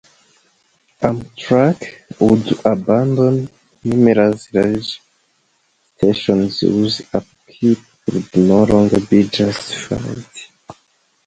Amtrak would abandon numerous large stations whose upkeep could no longer be justified.